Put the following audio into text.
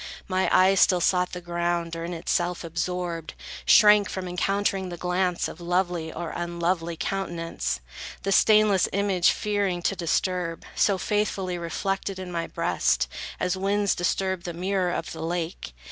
My eye still sought the ground, or in itself Absorbed, shrank from encountering the glance Of lovely or unlovely countenance; The stainless image fearing to disturb, So faithfully reflected in my breast; As winds disturb the mirror of the lake.